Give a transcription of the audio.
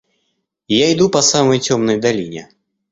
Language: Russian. Я иду по самой темной долине.